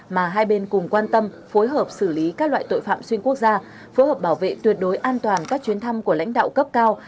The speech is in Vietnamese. mà hai bên cùng quan tâm phối hợp xử lý các loại tội phạm xuyên quốc gia phối hợp bảo vệ tuyệt đối an toàn các chuyến thăm của lãnh đạo cấp cao